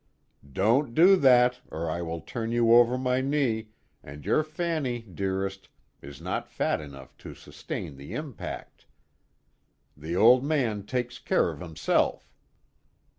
"Don't do that, or I will turn you over my knee, and your fanny, dearest, is not fat enough to sustain the impact. The old man takes care of himself."